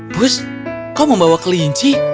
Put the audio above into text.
pus kau membawa gelinci